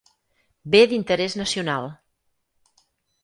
Bé d'interès nacional.